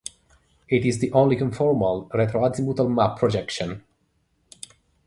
It is the only conformal, retroazimuthal map projection.